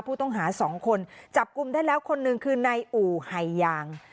ผู้ต้องหาสองคนจับกลุ่มได้แล้วคนหนึ่งคือนายอู่ไฮยาง